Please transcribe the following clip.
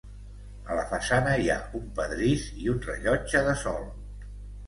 A la façana hi ha un pedrís i un rellotge de sol.